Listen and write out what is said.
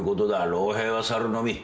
老兵は去るのみ。